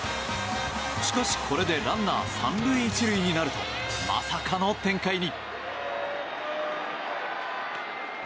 しかしこれでランナー３塁１塁になるとまさかの展開に。